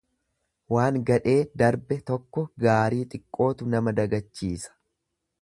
Waan gadhee darbe tokko gaarii xiqqootu nama dagachiisa.